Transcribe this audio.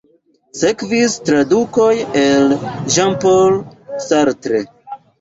Sekvis tradukoj el Jean-Paul Sartre.